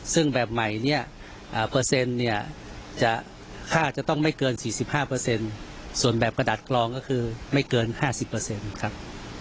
ซึ่งแบบใหม่เนี่ยเปอร์เซ็นต์เนี่ยค่าจะต้องไม่เกิน๔๕ส่วนแบบกระดาษกรองก็คือไม่เกิน๕๐ครับ